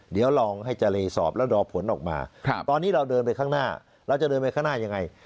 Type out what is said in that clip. เดี๋ยวลองให้เจรสอบแล้วรอผลออกมาตอนนี้เราเดินไปข้างหน้าเราจะเดินไปข้างหน้ายังไง